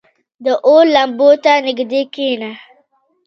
• د اور لمبو ته نږدې کښېنه.